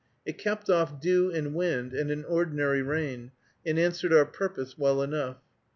It kept off dew and wind, and an ordinary rain, and answered our purpose well enough.